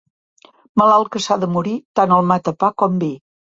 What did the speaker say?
Malalt que s'ha de morir, tant el mata pa com vi.